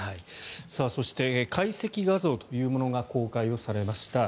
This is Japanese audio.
そして解析画像というものが公開されました。